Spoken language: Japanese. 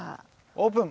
オープン。